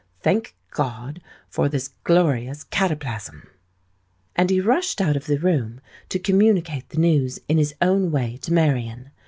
Thank God for this glorious cataplasm!_' And he rushed out of the room to communicate the news in his own way to Marian.